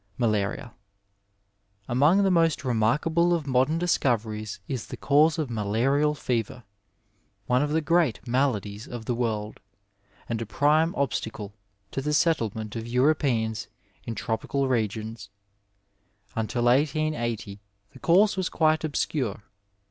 Malaria, — ^Among the most remarkable of modem discoveries is the cause of malarial fever, one of the great maladies of the world, and a prime obstacle to the settle ment of Europeans in tropical regions. Until 1880 the cause was quite obscure.